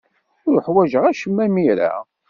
Ur ḥwajeɣ acemma imir-a.